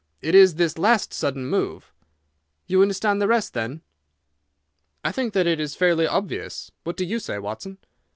"It is this last sudden move." "You understand the rest, then?" "I think that it is fairly obvious. What do you say, Watson?"